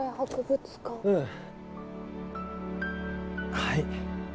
はい。